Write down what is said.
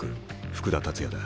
福田達也だ。